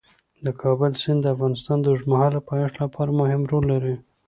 د کابل سیند د افغانستان د اوږدمهاله پایښت لپاره مهم رول لري.